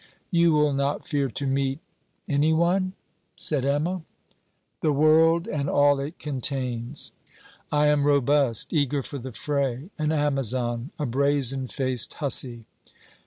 'You will not fear to meet... any one?' said Emma. 'The world and all it contains! I am robust, eager for the fray, an Amazon, a brazen faced hussy.